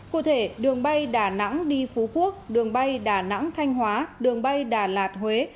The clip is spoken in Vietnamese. cụ thể đường bay đà nẵng đi phú quốc đường bay đà nẵng thanh hóa đường bay đà lạt huế